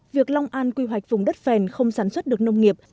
việc long an quy hoạch vùng đất phèn không sản xuất được nông nghiệp